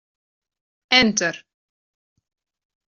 Enter.